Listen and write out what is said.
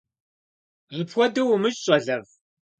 Апхуэдэу умыщӀэ, щӀалэфӀ!